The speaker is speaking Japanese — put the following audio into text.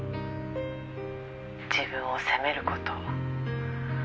「自分を責める事」